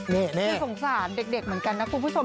นี่สงสารเด็กเหมือนกันนะคุณผู้ชม